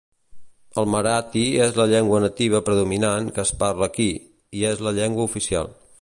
El marathi és la llengua nativa predominant que es parla aquí, i és la llengua oficial.